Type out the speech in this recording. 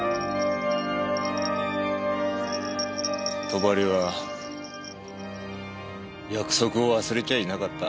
戸張は約束を忘れちゃいなかった。